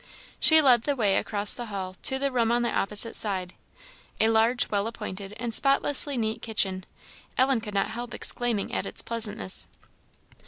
She led the way across the hall to the room on the opposite side; a large, well appointed, and spotlessly neat kitchen. Ellen could not help exclaiming at its pleasantness.